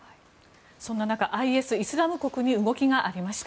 そんな中、ＩＳ・イスラム国に動きがありました。